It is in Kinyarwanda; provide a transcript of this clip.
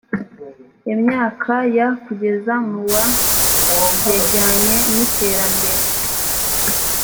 imyaka ya kugeza mu wa yajyanye n iterambere